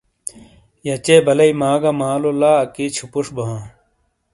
یچے بالیٔی ما گَہ مالو لا اَکی چھِپُوݜ ہَن ۔